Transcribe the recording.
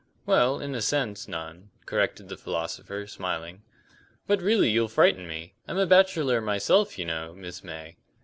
"Well, in a sense, none," corrected the philosopher, smiling. "But really you'll frighten me. I'm a bachelor myself, you know, Miss May."